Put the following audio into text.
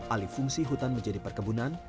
alih fungsi hutan menjadi perkebunan